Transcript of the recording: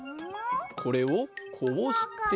これをこうして。